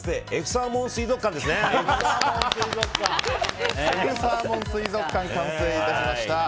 Ｆサーモン水族館完成致しました。